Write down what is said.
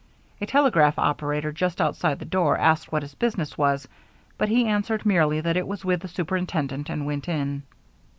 A telegraph operator just outside the door asked what his business was, but he answered merely that it was with the superintendent, and went in.